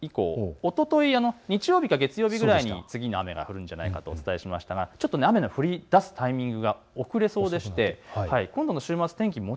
おととい日曜日か月曜日くらいに次の雨が降るんじゃないかとお伝えしましたが雨の降りだすタイミングが遅れそうです。